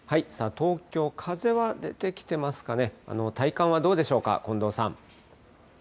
東京、風は出てきてますかね、体感はどうでしょうか、近藤さん。